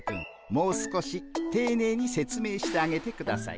もう少していねいに説明してあげてください。